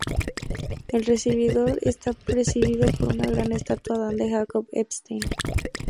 El recibidor está presidido por una gran estatua, "Adán", de Jacob Epstein.